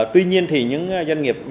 tuy nhiên thì những doanh nghiệp